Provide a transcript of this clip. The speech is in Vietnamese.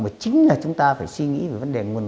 mà chính là chúng ta phải suy nghĩ về vấn đề nguồn